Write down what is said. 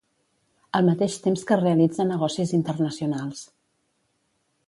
Al mateix temps que realitza negocis internacionals.